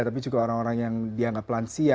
tapi juga orang orang yang dianggap lansia